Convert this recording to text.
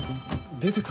出てく。